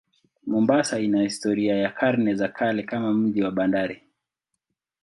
Mombasa ina historia ya karne za kale kama mji wa bandari.